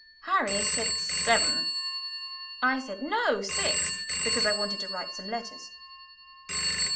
Harris said: "Seven." I said: "No—six," because I wanted to write some letters.